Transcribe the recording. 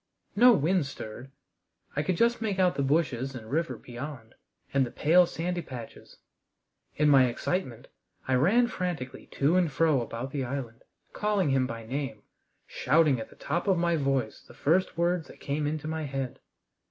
No wind stirred. I could just make out the bushes and river beyond, and the pale sandy patches. In my excitement I ran frantically to and fro about the island, calling him by name, shouting at the top of my voice the first words that came into my head.